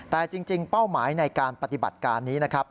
แต่จริงเป้าหมายในการปฏิบัติการนี้นะครับ